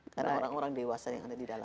karena orang orang dewasa yang ada di dalam